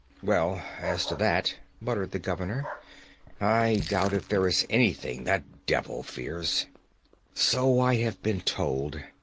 'Well, as to that,' muttered the governor, 'I doubt if there is anything that devil fears.' 'So I have been told.